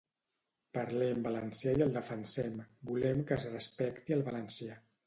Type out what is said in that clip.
Parlem valencià i el defensem, volem que es respecti el valencià.